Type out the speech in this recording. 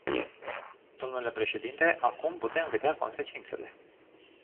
Domnule președinte, acum putem vedea consecințele.